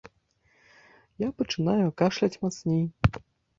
Я пачынаю кашляць мацней.